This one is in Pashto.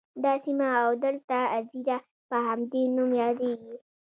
دا سیمه او دلته اَذيره په همدې نوم یادیږي.